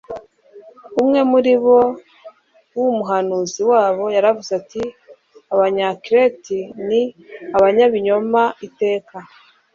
Umwe muri bo w’umuhanuzi wabo yaravuze ati “Abanyakirete ni abanyabinyoma iteka